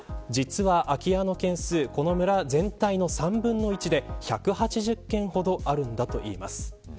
空き家の件数がこの村の全体の３分の１で１８０件ほどあるといいます。